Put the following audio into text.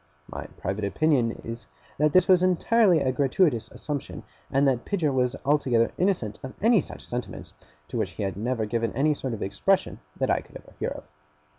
My private opinion is, that this was entirely a gratuitous assumption, and that Pidger was altogether innocent of any such sentiments to which he had never given any sort of expression that I could ever hear of.